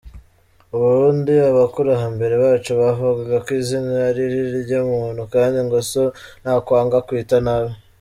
Ubundi abakurambere bacu bavugaga ko izina aririryo muntu, kandi ngo so ntakwanga akwita nabi.